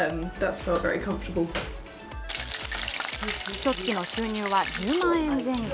ひとつきの収入は１０万円前後。